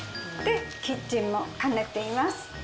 キッチンも兼ねています。